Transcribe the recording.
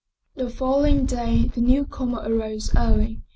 The following day the newcomer arose early.